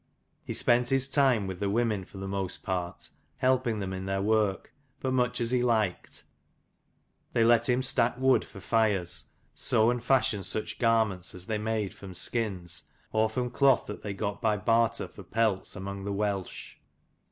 He spent his time with the women for the most part, helping them in their work, but much as he liked. They let him stack wood for fires: sew and fashion such garments as 102 they made from skins, or from cloth that they got by barter for pelts among the Welsh.